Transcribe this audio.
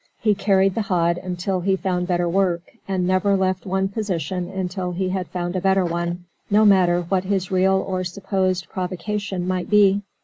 He carried the hod until he found better work, and never left one position until he had found a better one, no matter what his real or supposed provocation might be.